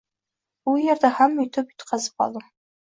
u yerda ham yutib-yutqazib qoldim